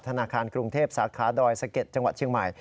ธนาคารกรุงเทพสาขาดอยสะเก็ดจังหวัดเชียงใหม่